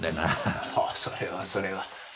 ああそれはそれは。